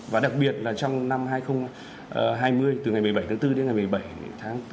và đặc biệt là trong năm hai nghìn hai mươi từ ngày một mươi bảy tháng bốn đến ngày một mươi bảy tháng bốn